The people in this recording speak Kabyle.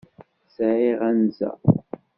Sɛiɣ anza.